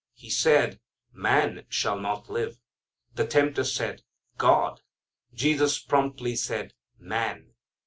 He said, "Man shall not live." The tempter said, "God." Jesus promptly said, "Man."